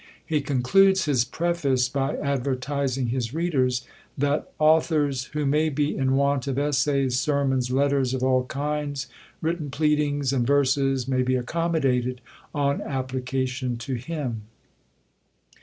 He concludes his preface by advertising his readers, that authors who may be in want of essays, sermons, letters of all kinds, written pleadings and verses, may be accommodated on application to him.